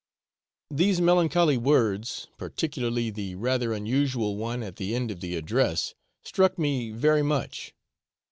These melancholy words, particularly the rather unusual one at the end of the address, struck me very much.